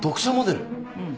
うん。